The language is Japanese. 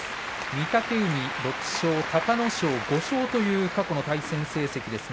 御嶽海６勝、隆の勝５勝という過去の対戦成績です。